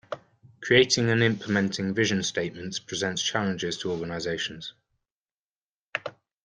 Creating and implementing vision statements presents challenges to organizations.